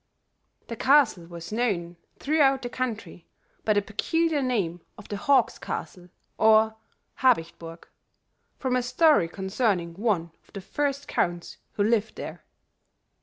The castle was known throughout the country by the peculiar name of the Hawk's Castle or Habicht burg, from a story concerning one of the first counts who lived there.